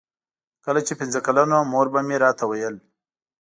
کله چې پنځه کلن وم مور به مې راته ویل.